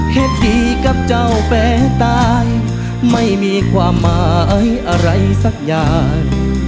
เหตุดีกับเจ้าแฟตายไม่มีความหมายอะไรสักอย่าง